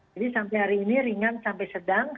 jadi sampai hari ini ringan sampai sedang